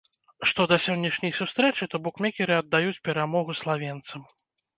Што да сённяшняй сустрэчы, то букмекеры аддаюць перамогу славенцам.